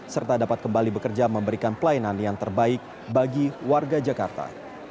serta dapat kembali bekerja memberikan pelayanan yang terbaik bagi warga jakarta